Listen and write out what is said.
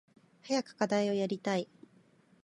早く課題をやりたい。